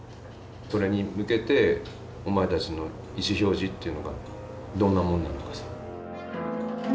それに向けてお前たちの意思表示っていうのがどんなもんなのかさ。